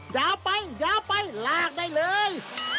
ยาวไปลากได้เลย